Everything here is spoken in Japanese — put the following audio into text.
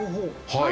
はい。